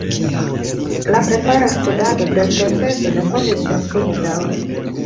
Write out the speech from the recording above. La prepara studado de l' proceso ne povis senfine daŭri.